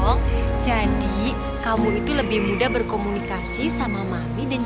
nih makasih udah napas mohon